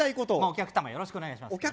お客タマよろしくお願いします